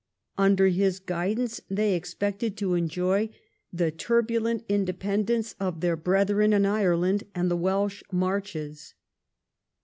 Under his guidance they exjiected to enjoy the turbulent indejiend encc of their brethren in Ireland and the Welsh Marches.